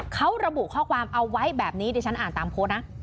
เขาระบุข้อความเอาไว้แบบนี้ดิฉันอ่านตามโพสต์นะ